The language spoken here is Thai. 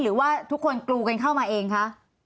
หรือว่าทุกคนกรูกันเข้ามาเองคะ